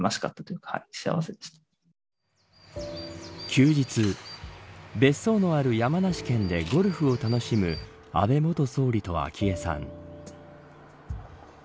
休日、別荘のある山梨県でゴルフを楽しむ安倍元総理と昭恵さん。